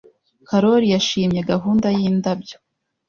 Karoli yashimye gahunda yindabyo.